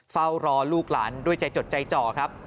เฝ้ารอลูกหลานด้วยใจจดใจจ่อครับ